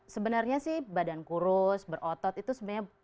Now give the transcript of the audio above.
sebenarnya sih badan kurus berotot itu sebenarnya